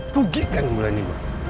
pugi kan mula ini